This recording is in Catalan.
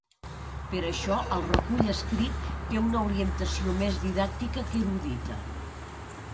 Per això el recull escrit té una orientació més didàctica que erudita.